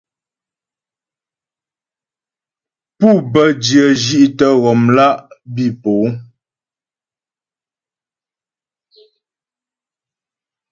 Pû bə́ dyə̂ zhí'tə ghɔmlá' bǐ po.